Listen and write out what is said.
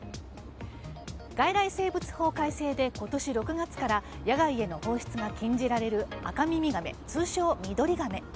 外来生物法改正で今年６月から野外への放出から禁じられるアカミミガメ通称ミドリガメ。